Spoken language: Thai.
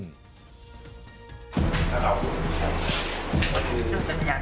ข้าก็ขอบคุณนะครับ